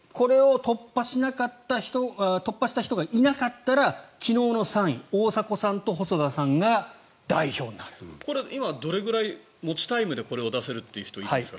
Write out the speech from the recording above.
これを突破した人がいなかったら昨日の３位大迫さんと細田さんがこれ今どのくらい持ちタイムでこれを出せる人いるんですか。